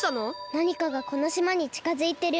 なにかがこのしまにちかづいてる。